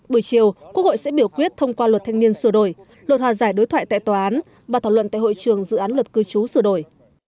buổi chiều quốc hội sẽ biểu quyết thông qua luật thanh niên sửa đổi luật hòa giải đối thoại tại tòa án và thảo luận tại hội trường dự án luật cư trú sửa đổi